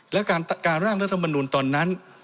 และการร่างรัฐมนุนตอนนั้น